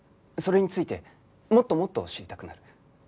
それについてもっともっと知りたくなる。